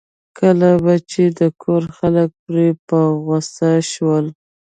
کله به چې د کور خلک پرې په غوسه شول.